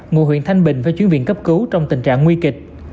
ngụ huyện thanh bình phải chuyển viện cấp cứu trong tình trạng nguy kịch